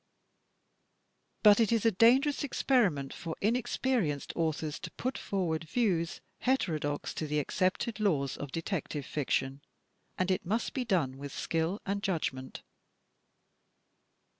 But it is a dangerous experiment for inexperienced authors to put forward views heterodox to the accepted laws of Detective Fiction, and it must be done with skill and judg ment.